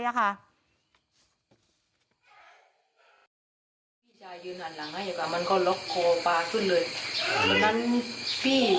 พี่ชายยืนหันหลังให้ก่อนมันก็ล็อกโคลปลาขึ้นเลย